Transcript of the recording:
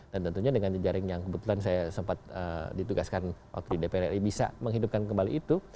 dan tentunya dengan jaring yang kebetulan saya sempat ditugaskan waktu di dpr ri bisa menghidupkan kembali itu